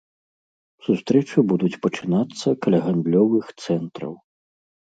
Сустрэчы будуць пачынацца каля гандлёвых цэнтраў.